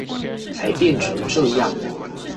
才變成這樣